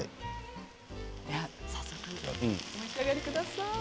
早速、お召し上がりください。